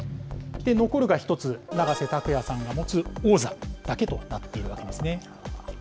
残るが１つ、永瀬拓也さんが持つ王座だけとなっているわけなんですね。